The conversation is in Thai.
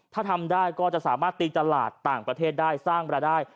ถ้าทำได้ก็จะสามารถตีตลาดต่างประเทศได้สร้างรายได้